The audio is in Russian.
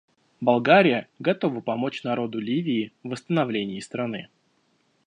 Болгария готова помочь народу Ливии в восстановлении страны.